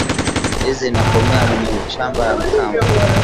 Ndizi inakomea mumashamba ya kambo